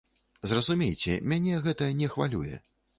Зразумейце, мяне не гэта хвалюе.